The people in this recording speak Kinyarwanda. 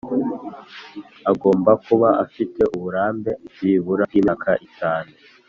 Agomba kuba afite uburambe byibura bw imyaka itanu